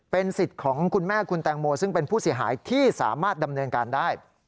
เป็นสิทธิ์ของคุณแม่คุณแตงโมซึ่งเป็นผู้เสียหายที่สามารถดำเนินการได้